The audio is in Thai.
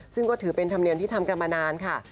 ซึ่งก็ถือเป็นธรรมเนียมที่ทำกันมานานค่ะ